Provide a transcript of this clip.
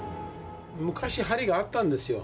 昔、針があったんですよ。